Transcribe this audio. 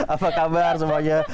apa kabar semuanya